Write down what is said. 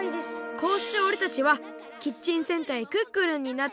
こうしておれたちはキッチン戦隊クックルンになったってわけ。